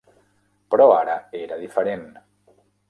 Però ara era diferent.